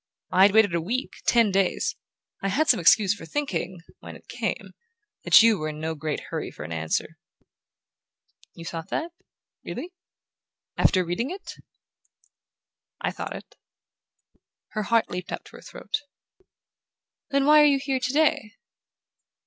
I had waited a week ten days. I had some excuse for thinking, when it came, that you were in no great hurry for an answer." "You thought that really after reading it?" "I thought it." Her heart leaped up to her throat. "Then why are you here today?"